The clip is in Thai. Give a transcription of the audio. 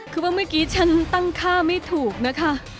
คือว่าเมื่อกี้ฉันตั้งค่าไม่ถูกนะคะ